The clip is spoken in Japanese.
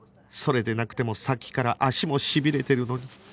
それでなくてもさっきから足もしびれてるのに